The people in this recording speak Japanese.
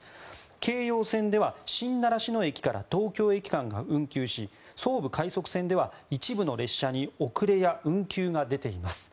京葉線では新習志野駅から東京駅間が運休し総武快速線では一部の列車に遅れや運休が出ています。